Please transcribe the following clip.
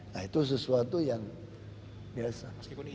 nah itu sesuatu yang biasa